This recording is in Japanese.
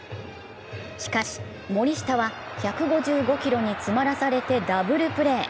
しかし、森下は１５５キロに詰まらされてダブルプレー。